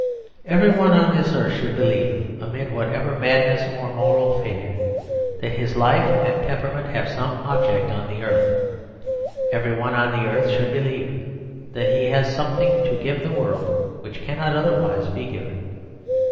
Every one on this earth should believe, amid whatever madness or moral failure, that his life and temperament have some object on the earth. Every one on the earth should believe that he has something to give to the world which cannot otherwise be given.